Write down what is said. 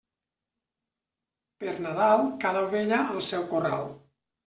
Per Nadal, cada ovella al seu corral.